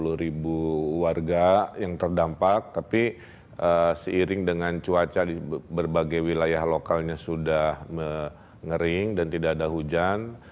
ada sekitar enam puluh ribu warga yang terdampak tapi seiring dengan cuaca di berbagai wilayah lokalnya sudah ngering dan tidak ada hujan